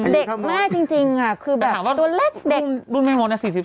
เด็กมากจริงจริงคือแบบตัวแรกเด็กแต่หากว่ารุญแม่มดนะ๔๓